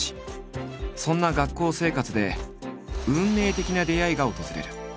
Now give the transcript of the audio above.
そんな学校生活で運命的な出会いが訪れる。